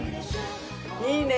いいね！